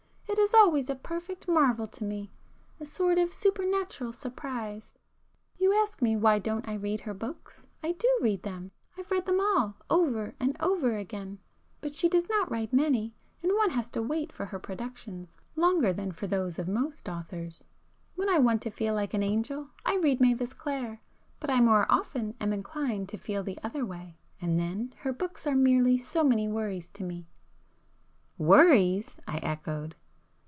It is always a perfect marvel to me,—a sort of supernatural surprise. You ask me why don't I read her books,—I do read them,—I've read them all over and over again,—but she does not write many, and one has to wait for her productions longer than for those of most authors. When I want to feel like an angel, I read Mavis Clare,—but I more often am inclined to feel the other way, and then her books are merely so many worries to me." "Worries?" I echoed.